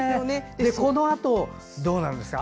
このあと、どうなるんですか？